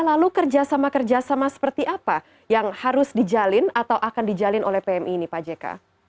lalu kerjasama kerjasama seperti apa yang harus dijalin atau akan dijalin oleh pmi ini pak jk